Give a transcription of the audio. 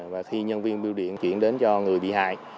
và khi nhân viên biêu điện chuyển đến cho người bị hại